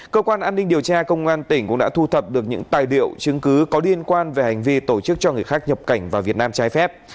cơ quan an ninh điều tra công an tỉnh cũng đã thu thập được những tài liệu chứng cứ có liên quan về hành vi tổ chức cho người khác nhập cảnh vào việt nam trái phép